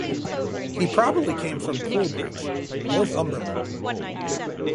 He probably came from Corbridge, Northumberland.